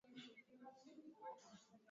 Nile Yangtze na the Mississippi pamoja Kuwa